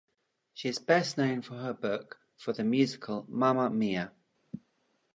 She is best known for her book for the musical Mamma Mia!